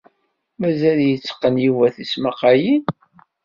Mazal yetteqqen Yuba tismaqqalin?